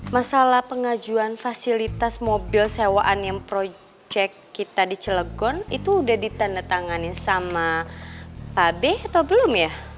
masalah pengajuan fasilitas mobil sewaan yang projek kita di celegon itu udah ditandatangani sama pabe atau belum ya